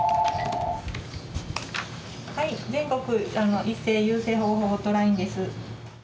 はい、全国一斉優生保護法ホットラインです。